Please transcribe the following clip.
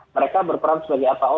mereka berperan sebagai apo